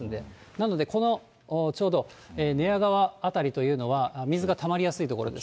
なので、このちょうど寝屋川辺りというのは、水か溜まりやすい所です。